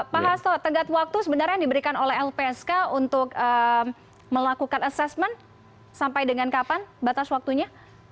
pak hasto tenggat waktu sebenarnya yang diberikan oleh lpsk untuk melakukan assessment sampai dengan kapan batas waktunya